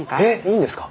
いいんですか？